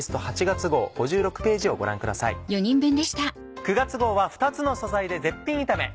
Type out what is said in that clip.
９月号は「２つの素材で絶品炒め」。